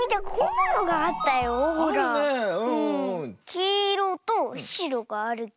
きいろとしろがあるけど。